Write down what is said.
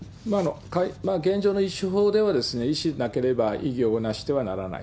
現状の医師法では、医師でなければ医業をなしてはならない。